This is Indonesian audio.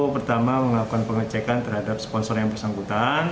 pertama melakukan pengecekan terhadap sponsor yang bersangkutan